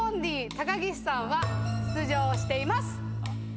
高岸さんは出場しています！